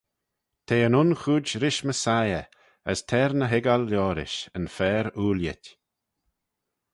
T'eh yn un chooid rish Messiah, as t'er ny hoiggal liorish, yn fer-ooillit.